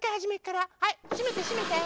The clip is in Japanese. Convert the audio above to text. はいしめてしめて。